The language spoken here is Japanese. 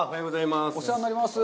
お世話になります。